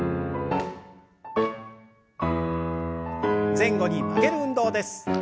前後に曲げる運動です。